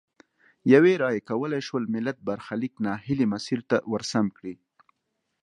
یوې رایې کولای شول ملت برخلیک نا هیلي مسیر ته ورسم کړي.